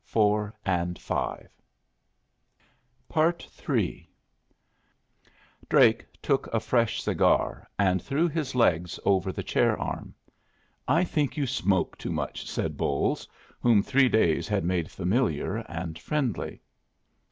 Question is, will they go next?" III Drake took a fresh cigar, and threw his legs over the chair arm. "I think you smoke too much," said Bolles, whom three days had made familiar and friendly.